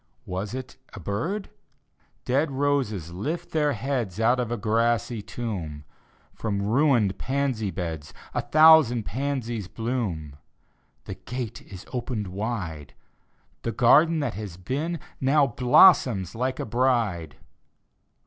Was it a bird? Dead roses lift tlieir heads Out of a grassy tomb; From mined pansy beds A thousand pansies bloom. The gate is opened wide— Tlie garden that has been Now blossoms like a bride